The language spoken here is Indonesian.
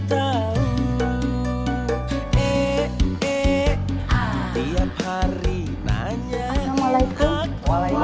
tiap hari nanya aku tak tahu